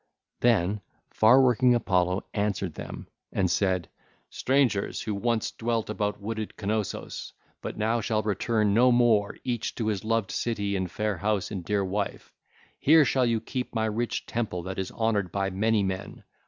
474 501) Then far working Apollo answered then and said: 'Strangers who once dwelt about wooded Cnossos but now shall return no more each to his loved city and fair house and dear wife; here shall you keep my rich temple that is honoured by many men.